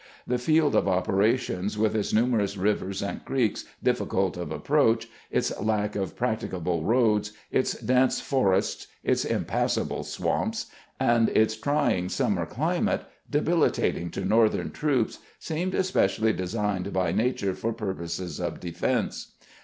The field of operations, with its numerous rivers and creeks difficult of approach, its lack of practicable roads, its dense forests, its im passable swamps, and its trying summer climate, debil itating to Northern troops, seemed specially designed by nature for purposes of defense.